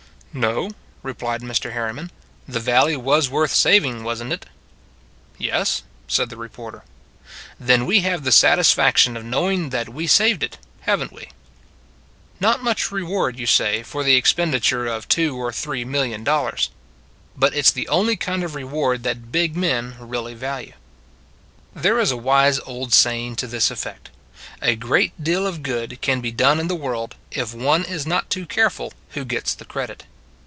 " No," replied Mr. Harriman. " The valley was worth saving, was n t it? "" Yes," said the reporter. " Then we have the satisfaction of knowing that we saved it, have n t we? " Not much reward, you say, for the ex penditure of two or three million dollars. But it s the only kind of reward that big men really value. There is a wise old saying to this effect: " A great deal of good can be done in the world, if one is not too careful who gets the credit."